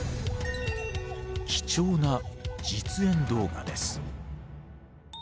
貴重な実演動画です。